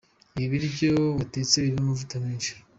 Ibi biryo watetse birimo amavuta menshi.